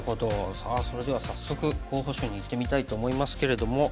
さあそれでは早速候補手にいってみたいと思いますけれども。